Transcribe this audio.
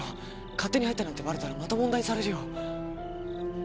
勝手に入ったなんてバレたらまた問題にされるよ。